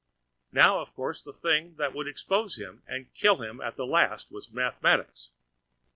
Now of course the thing that would expose him and kill him at last was mathematics.